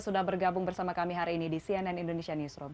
sudah bergabung bersama kami hari ini di cnn indonesia newsroom